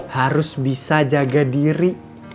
harus bisa jaga diri